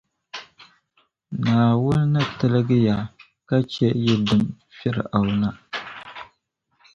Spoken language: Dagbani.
Naawuni ni tilgi ya ka chɛ yi dim Fir’auna.